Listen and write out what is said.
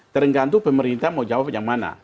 tergantung pemerintah mau jawab apa